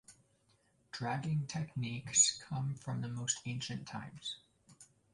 Dragging techniques come from the most ancient times.